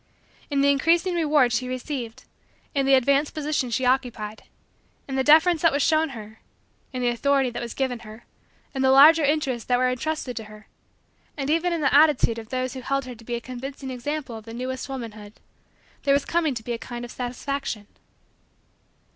In the increasing reward she received, in the advanced position she occupied, in the deference that was shown her, in the authority that was given her, in the larger interests that were intrusted to her, and even in the attitude of those who held her to be a convincing example of the newest womanhood, there was coming to be a kind of satisfaction.